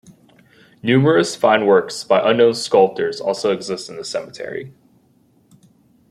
Numerous fine works by unknown sculptors also exist in the cemetery.